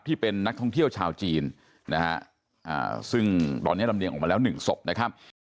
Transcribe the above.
ที่เป็นนักท่องเที่ยวชาวจีนนะฮะซึ่งตอนนี้ลำเรียงออกมาแล้วหนึ่งศพนะครับ